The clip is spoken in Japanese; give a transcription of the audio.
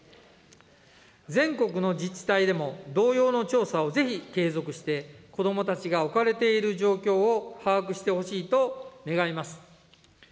全国の自治体でも同様の調査をぜひ継続して、子どもたちが置かれている状況を把握してほしいと願います。